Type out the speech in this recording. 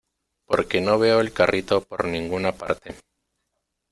porque no veo el carrito por ninguna parte.